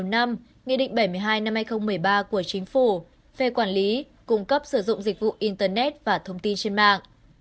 nghị định bảy mươi hai năm hai nghìn một mươi ba của chính phủ về quản lý cung cấp sử dụng dịch vụ internet và thông tin trên mạng